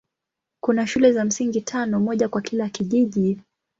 Kuna shule za msingi tano, moja kwa kila kijiji.